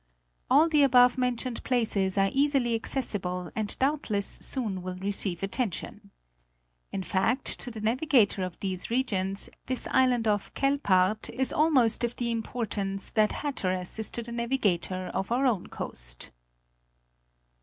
All the above mentioned places are easily accessible and doubtless soon will receive attention. In fact, to the navigator of these regions this island of Quelpaert is almost of the importance that Hatteras is to the navigator of our own coast.